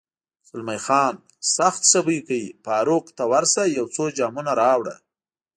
زلمی خان: سخت ښه بوی کوي، فاروق، ته ورشه یو څو جامونه راوړه.